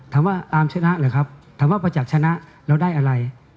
ถามว่าอาร์มชนะหรือครับถามว่าประจักษ์ชนะเราได้อะไร